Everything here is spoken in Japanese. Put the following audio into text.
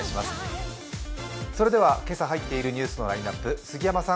それでは今朝入っているニュースのラインナップ、杉山さん